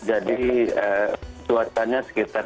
jadi cuacanya sekitar